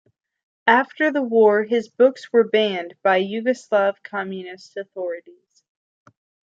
After the war his books were banned by Yugoslav Communist authorities.